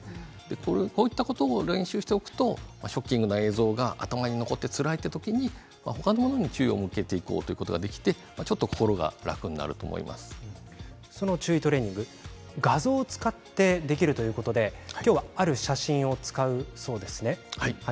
こういったことを練習しておくとショッキングな映像が頭に残ってつらい時に他のものに注意を向けていこうということができて画像を使ってできるということで今日はある写真を使うそうですね。